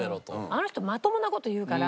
あの人まともな事言うから。